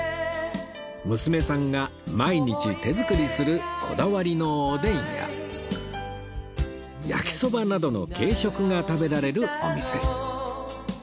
娘さんが毎日手作りするこだわりのおでんや焼きそばなどの軽食が食べられるお店